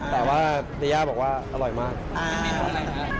แต่ว่านายย่าบอกว่าอร่อยมาก